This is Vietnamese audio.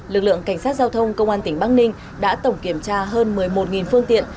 lực lượng cảnh sát giao thông công an tỉnh bắc ninh đã tổng kiểm tra hơn một mươi một phương tiện